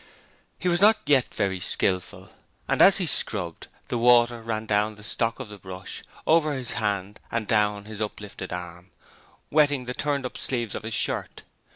He was not very skilful yet, and as he scrubbed the water ran down over the stock of the brush, over his hand and down his uplifted arm, wetting the turned up sleeves of his shirt.